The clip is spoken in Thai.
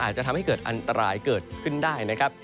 อาจจะทำให้เกิดอันตรายเกิดขึ้นได้นะครับ